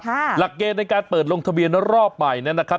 หลักเกณฑ์ในการเปิดลงทะเบียนรอบใหม่นั้นนะครับ